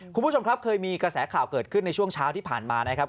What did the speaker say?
คุณผู้ชมครับเคยมีกระแสข่าวเกิดขึ้นในช่วงเช้าที่ผ่านมานะครับ